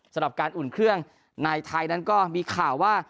สำหรับการอุ่นเครื่องในไทยนั้นก็มีข่าวว่า